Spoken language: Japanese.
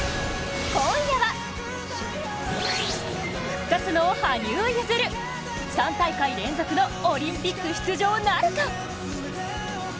今夜は、復活の羽生結弦、３大会連続のオリンピック出場なるか。